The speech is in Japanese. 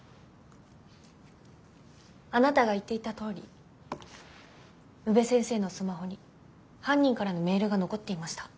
あなたが言っていたとおり宇部先生のスマホに犯人からのメールが残っていました。